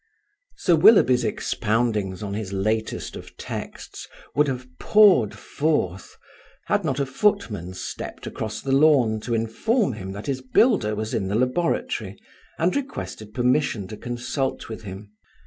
Sir Willoughby's expoundings on his latest of texts would have poured forth, had not a footman stepped across the lawn to inform him that his builder was in the laboratory and requested permission to consult with him.